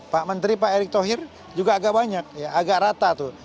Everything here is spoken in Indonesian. pak menteri pak erick thohir juga agak banyak ya agak rata tuh